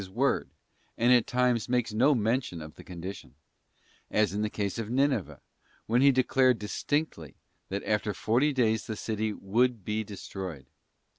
145 His word, and at times makes no mention of the condition ; as in the case of Ninive, when He declared distinctly that after forty days the city would be destroyed.